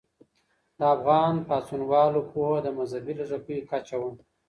د افغان پاڅونوالو پوهه د مذهبي لږکیو کچه وه.